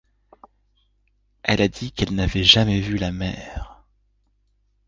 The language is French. Elle a dit qu’elle n’avait jamais vu la mer…